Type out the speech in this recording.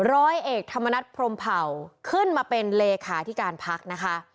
ร้อยเอกธรรมนัฐพรมเผ่าขึ้นมาเป็นเลขาที่การพักนะคะ